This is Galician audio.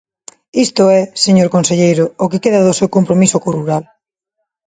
Isto é, señor conselleiro, o que queda do seu compromiso co rural.